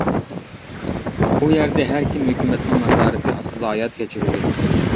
ئۇ يەردە ھەركىم ھۆكۈمەتنىڭ نازارىتى ئاستىدا ھايات كەچۈرىدۇ.